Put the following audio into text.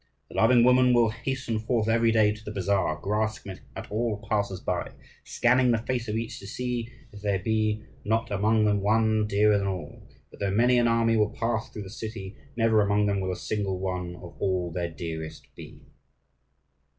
The loving woman will hasten forth every day to the bazaar, grasping at all passers by, scanning the face of each to see if there be not among them one dearer than all; but though many an army will pass through the city, never among them will a single one of all their dearest be.